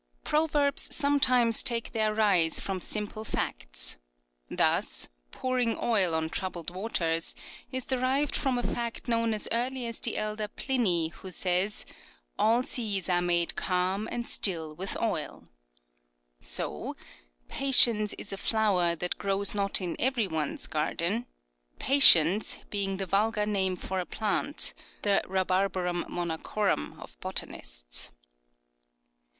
Proverbs sometimes take their rise from simple facts. Thus, " Pouring oil on troubled waters " is derived from a fact known as early as the elder Pliny, who says, " All seas are made calm and still with oil " {Nat. Hist. ii. 103). So, " Patience is a flower that grows not in every one's garden," "Patience" being the vulgar name for a plant (the Rhaharbarum monachorum of botanists).